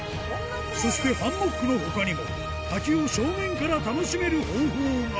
そしてハンモックのほかにも、滝を正面から楽しめる方法が。